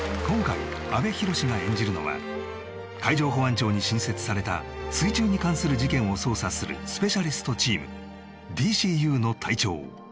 今回阿部寛が演じるのは海上保安庁に新設された水中に関する事件を捜査するスペシャリストチーム